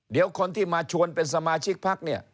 เดี๋ยวคนที่มาชวนเป็นสมาชิกพักเนี่ย